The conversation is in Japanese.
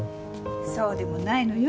そうでもないのよ。